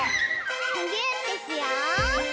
むぎゅーってしよう！